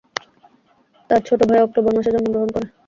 তার ছোট ভাই অক্টোবর মাসে জন্মগ্রহণ করে।